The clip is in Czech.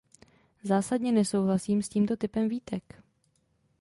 Zásadně nesouhlasím s tímto typem výtek.